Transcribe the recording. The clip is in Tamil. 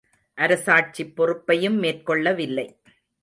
அரசாட்சிப் பொறுப்பையும் மேற்கொள்ளவில்லை.